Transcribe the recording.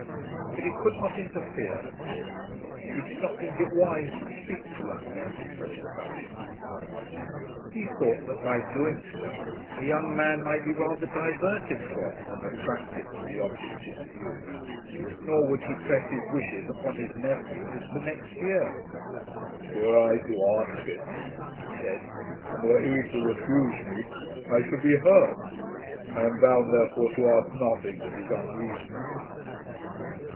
But he could not interfere. He did not think it wise to speak to young men on such a subject. He thought that by doing so a young man might be rather diverted from than attracted to the object in view. Nor would he press his wishes upon his nephew as to next year. "Were I to ask it," he said, "and were he to refuse me, I should be hurt. I am bound therefore to ask nothing that is unreasonable."